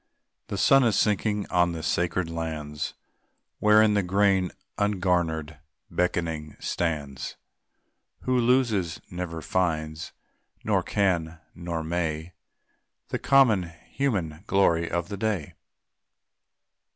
The sun is sinking on the sacred lands Wherein the grain ungarnered beckoning stands. Who loses never finds, nor can, nor may, The common, human glory of the day.